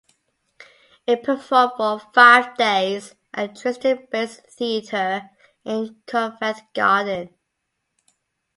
It performed for five days at Tristan Bates Theatre in Covent Garden.